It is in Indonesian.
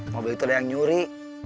mobil itu ada yang nyuri